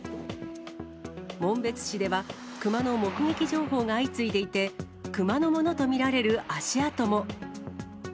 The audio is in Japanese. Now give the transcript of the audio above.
紋別市では、熊の目撃情報が相次いでいて、熊のものと見られる足跡も。